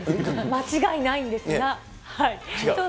間違いないんですが。